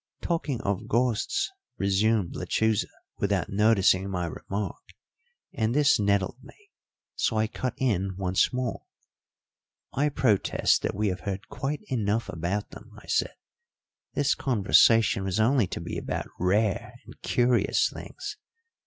"Talking of ghosts " resumed Lechuza, without noticing my remark, and this nettled me; so I cut in once more: "I protest that we have heard quite enough about them," I said. "This conversation was only to be about rare and curious things.